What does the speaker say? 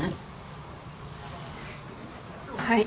はい。